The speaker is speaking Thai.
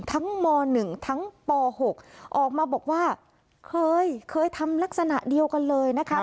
ม๑ทั้งป๖ออกมาบอกว่าเคยเคยทำลักษณะเดียวกันเลยนะคะ